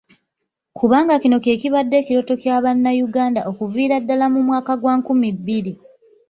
Kubanga kino kye kibadde ekirooto kya Bannayuganda okuviira ddala mu mwaka gwa nkumi bbiri.